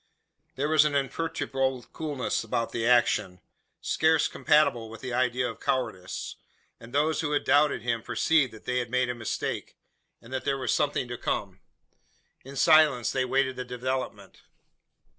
There was an imperturbable coolness about the action, scarce compatible with the idea of cowardice; and those who had doubted him perceived that they had made a mistake, and that there was something to come. In silence they awaited the development.